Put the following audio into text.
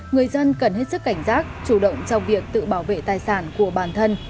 người dân cần hết sức cảnh giác chủ động trong việc tự bảo vệ tài sản của bản thân